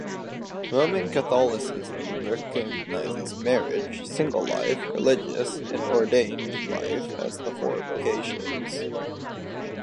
Roman Catholicism recognizes marriage, single life, religious, and ordained life as the four vocations.